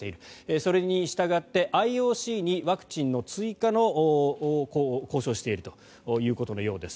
それにしたがってＩＯＣにワクチンの追加の交渉をしているということのようです。